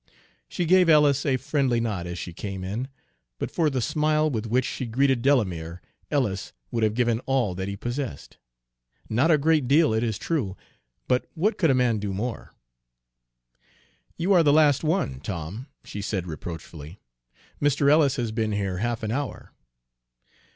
She gave Ellis a friendly nod as she came in, but for the smile with which she greeted Delamere, Ellis would have given all that he possessed, not a great deal, it is true, but what could a man do more? "You are the last one, Tom," she said reproachfully. "Mr. Ellis has been here half an hour."